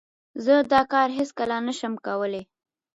زه دا کار هیڅ کله نه شم کولای.